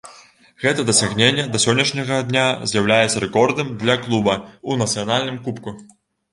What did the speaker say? Гэта дасягненне да сённяшняга дня з'яўляецца рэкордным для клуба ў нацыянальным кубку.